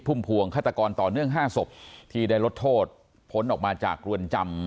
ุ่มพวงฆาตกรต่อเนื่อง๕ศพที่ได้ลดโทษพ้นออกมาจากเรือนจำ